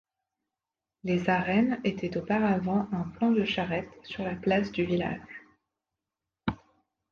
Les arènes étaient auparavant un plan de charrettes sur la place du village.